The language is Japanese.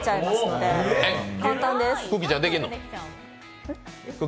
できるぅ。